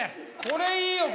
これいいよ！